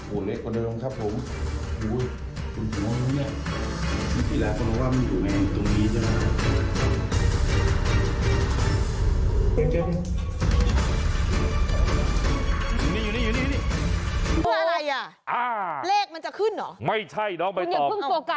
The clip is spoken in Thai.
อ่าเลขมันจะขึ้นเหรอไม่ใช่น้องไม่ตอบ